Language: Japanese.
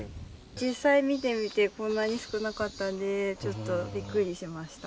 実際見てみて、こんなに少なかったんで、ちょっとびっくりしました。